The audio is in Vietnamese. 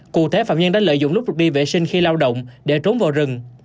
cụ thể phạm nhân đã lợi dụng lúc đi vệ sinh khi lao động để trốn vào rừng